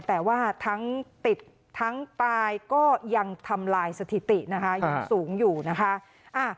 แต่ว่าทั้งติดทั้งตายก็ยังทำลายสถิตินะคะยังสูงอยู่นะคะ